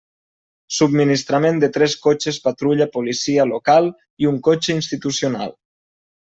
Subministrament de tres cotxes patrulla policia local i un cotxe institucional.